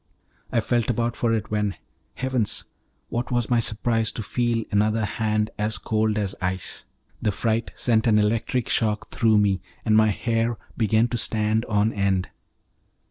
I felt about for it, when heavens! what was my surprise to feel another hand as cold as ice. The fright sent an electric shock through me, and my hair began to stand on end.